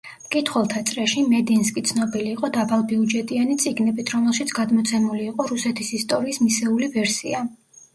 მკითხველთა წრეში, მედინსკი ცნობილი იყო დაბალბიუჯეტიანი წიგნებით, რომელშიც გადმოცემული იყო რუსეთის ისტორიის მისეული ვერსია.